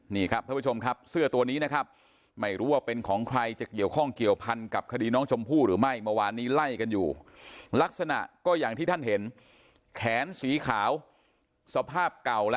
นี่ครับท่านผู้ชมครับเสื้อตัวนี้นะครับ